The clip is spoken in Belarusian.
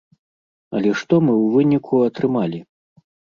Але што мы ў выніку атрымалі?